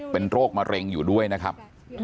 เป็นโรคมะเร็งอยู่ด้วยนะครับ